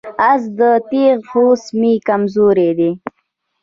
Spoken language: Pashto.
آس او تیغ هوس مې کمزوري ده.